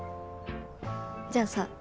じゃあさ